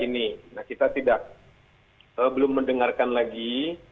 nah kita belum mendengarkan lagi